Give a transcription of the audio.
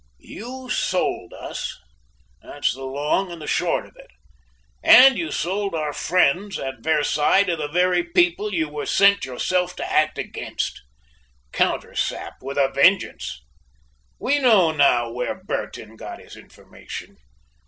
You sold us; there's the long and the short of it, and you sold our friends at Versailles to the very people you were sent yourself to act against. Countersap with a vengeance! We know now where Bertin got his information.